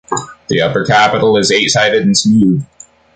The upper capital is eight-sided and smooth.